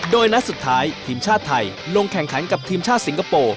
โดยนัดสุดท้ายทีมชาติไทยลงแข่งขันกับทีมชาติสิงคโปร์